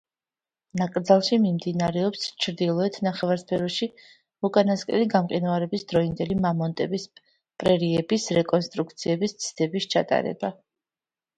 ნაკრძალში მიმდინარეობს ჩრდილოეთ ნახევარსფეროში უკანასკნელი გამყინვარების დროინდელი მამონტების პრერიების რეკონსტრუქციების ცდების ჩატარება.